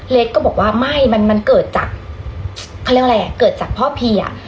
ก็บอกว่าไม่มันมันเกิดจากเขาเรียกว่าอะไรอ่ะเกิดจากพ่อพีอ่ะ